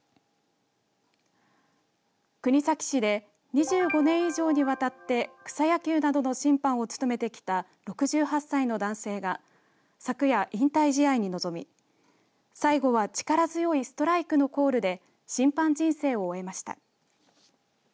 国東市で２５年以上にわたって草野球などの審判を務めてきた６８歳の男性が昨夜、引退試合に臨み最後は力強いストライクのコールで審判人生を終えました。